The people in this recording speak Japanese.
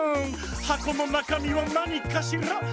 「はこのなかみはなにかしら？」